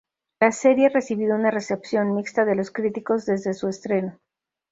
La serie ha recibido una recepción mixta de los críticos desde su estreno.